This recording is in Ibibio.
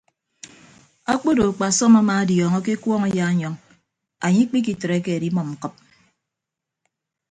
Akpodo akpasọm amaadiọọñọ ke ekuọñ ayaanyọñ anye ikpikitreke edimʌm ñkʌp.